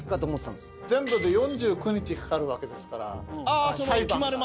全部で４９日かかるわけですから裁判が。